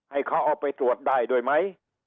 ให้เขาเอาไปตรวจได้ด้วยไหม